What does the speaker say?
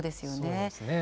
そうですね。